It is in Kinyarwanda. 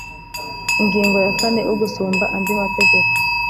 Ingingo ya kane Ugusumba andi mategeko